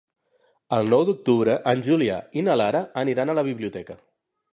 El nou d'octubre en Julià i na Lara aniran a la biblioteca.